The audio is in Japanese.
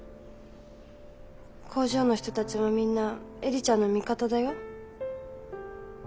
工場の人たちもみんな映里ちゃんの味方だよ。